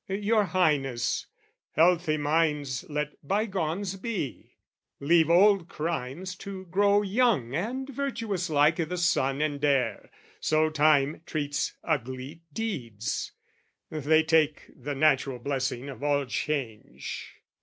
Your Highness, healthy minds let bygones be, Leave old crimes to grow young and virtuous like I' the sun and air; so time treats ugly deeds: They take the natural blessing of all change.